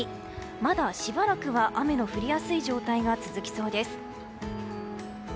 まだしばらくは、雨の降りやすい状態が続きそうです。